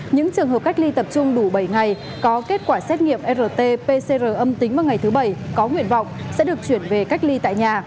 những trường hợp cách ly tập trung đủ bảy ngày có kết quả xét nghiệm rt pcr âm tính vào ngày thứ bảy có nguyện vọng sẽ được chuyển về cách ly tại nhà